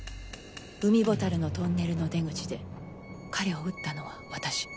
海ボタルのトンネルの出口で彼を撃ったのは私。